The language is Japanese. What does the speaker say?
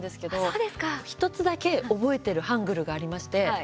１つだけ覚えてるハングルがありまして。